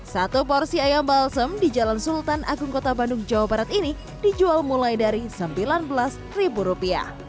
satu porsi ayam balsem di jalan sultan agung kota bandung jawa barat ini dijual mulai dari rp sembilan belas